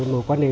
một quan hệ